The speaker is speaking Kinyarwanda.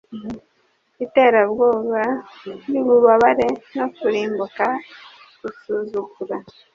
Iterabwoba ry'ububabare no kurimbuka gusuzugura,